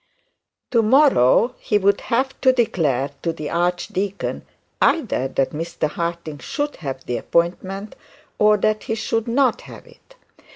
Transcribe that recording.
To morrow he would have to declare to the archdeacon either that Mr Harding should have the appointment, or that he should not have it.